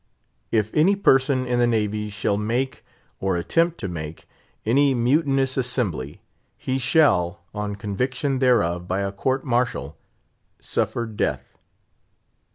"If any person in the navy shall make, or attempt to make, any mutinous assembly, he shall, on conviction thereof by a court martial, suffer death."